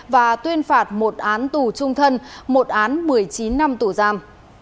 và tuyên phạt một án tù trung thân một án một mươi chín năm tù giam